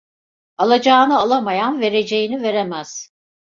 Alacağını alamayan, vereceğini veremez!